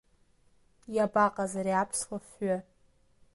Иабаҟаз ари аԥсуа фҩы!